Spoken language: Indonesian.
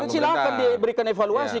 silahkan diberikan evaluasi